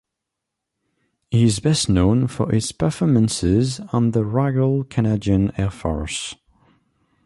He is best known for his performances on the Royal Canadian Air Farce.